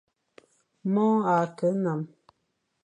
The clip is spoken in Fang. Mone a keghle nnam.